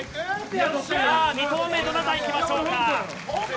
２投目どなたいきましょうか。